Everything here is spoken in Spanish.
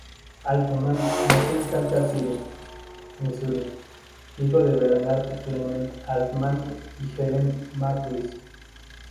Altman nació en Kansas City, Misuri, hijo de Bernard Clement Altman y Helen Mathews.